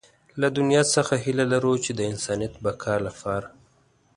له دنيا څخه هيله لرو چې د انسانيت بقا لپاره.